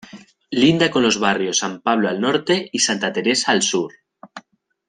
Linda con los barrios San Pablo al norte y Santa Teresa al sur.